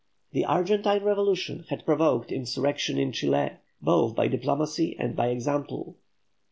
The Argentine revolution had provoked insurrection in Chile, both by diplomacy and by example.